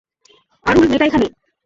আরুল, মেয়েটা এখানে।